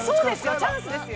◆チャンスですよ。